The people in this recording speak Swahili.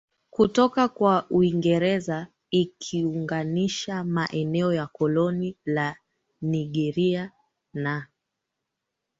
kutoka kwa Uingereza ikiunganisha maeneo ya koloni la Nigeria na